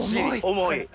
重い。